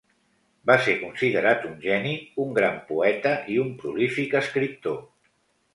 Va ser considerat un geni, un gran poeta i un prolífic escriptor.